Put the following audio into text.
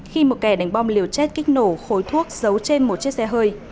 khi một kẻ đánh bom liều chết kích nổ khối thuốc giấu trên một chiếc xe hơi